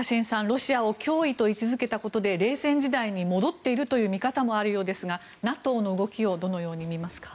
ロシアを脅威と位置付けたことで冷戦時代に戻っているという見方もあるようですがＮＡＴＯの動きをどのように見ますか？